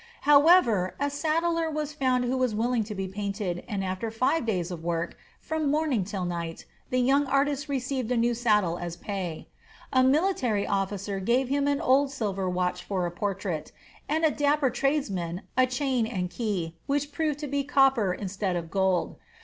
However, a saddler was found who was willing to be painted, and after five days of work from morning till night, the young artist received a new saddle as pay. A military officer gave him an old silver watch for a portrait, and a dapper tradesman a chain and key, which proved to be copper instead of gold.